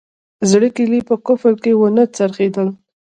زړه کیلي په قلف کې ونه څرخیدل